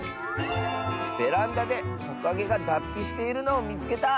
「ベランダでトカゲがだっぴしているのをみつけた！」。